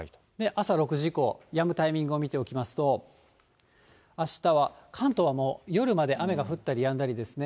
朝６時以降、やむタイミングを見ておきますと、あしたは関東はもう夜まで雨が降ったりやんだりですね。